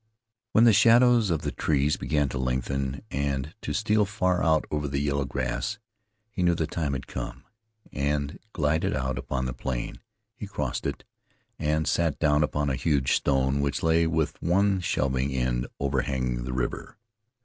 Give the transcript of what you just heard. When the shadows of the trees began to lengthen, and to steal far out over the yellow grass, he knew the time had come, and glided out upon the plain. He crossed it, and sat down upon a huge stone which lay with one shelving end overhanging the river.